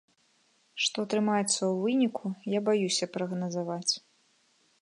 Што атрымаецца ў выніку, я баюся прагназаваць.